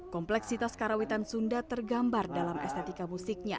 kompleksitas karawitan sunda tergambar dalam estetika musiknya